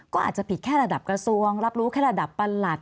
ก็อาจจะผิดแค่ระดับกระทรวงรับรู้แค่ระดับประหลัด